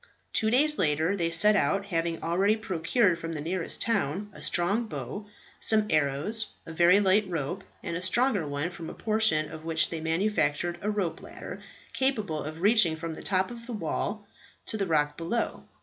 Two days later they set out, having already procured from the nearest town a strong bow, some arrows, a very light rope, and a stronger one from a portion of which they manufactured a rope ladder capable of reaching from the top of the wall to the rock below.